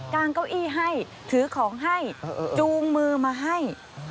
งเก้าอี้ให้ถือของให้จูงมือมาให้